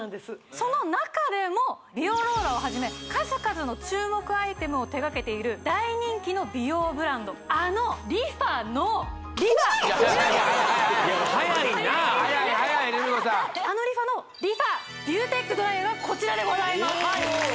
その中でも美容ローラーをはじめ数々の注目アイテムを手がけている大人気の美容ブランドあのＲｅＦａの早い早い早い早いなああのＲｅＦａのＲｅＦａビューテックドライヤーがこちらでございます